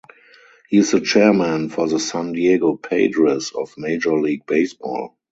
He is the chairman for the San Diego Padres of Major League Baseball.